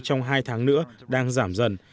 trong hai tháng nữa đang giảm dần